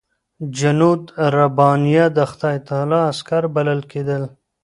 جنودالربانیه د خدای تعالی عسکر بلل کېدل.